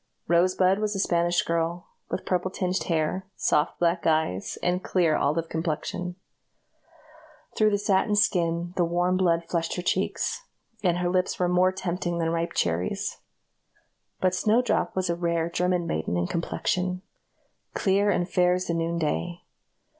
Rosebud was a Spanish girl, with purple tinged hair, soft black eyes, and clear olive complexion. Through the satin skin the warm blood flushed her cheeks, and her lips were more tempting than ripe cherries; but Snowdrop was a rare German maiden in complexion, clear and fair as the noonday.